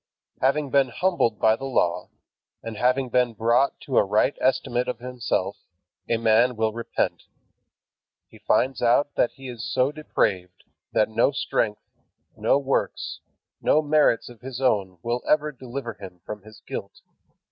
Having been humbled by the Law, and having been brought to a right estimate of himself, a man will repent. He finds out that he is so depraved, that no strength, no works, no merits of his own will ever deliver him from his guilt.